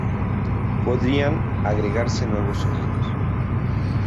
Podían agregarse nuevos sonidos.